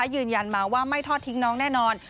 ยืนยันมาว่าไม่ทอดทิ้งน้องแน่นอน